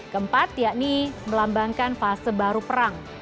keempat yakni melambangkan fase baru perang